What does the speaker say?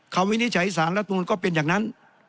เขาวินิจฉัยสารละทุนก็เป็นอย่างนั้น